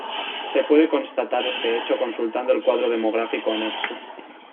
Se puede constatar este hecho consultando el cuadro demográfico anexo.